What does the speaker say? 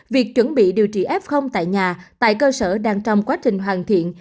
việc chuẩn bị điều trị f tại nhà tại cơ sở đang trong quá trình hoàn thiện